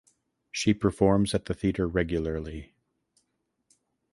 She performs at the theater regularly.